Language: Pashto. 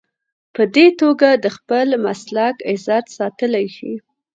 په دې توګه د خپل مسلک عزت ساتلی شي.